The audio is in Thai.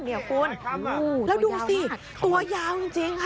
แล้วดูสิตัวยาวจริงค่ะ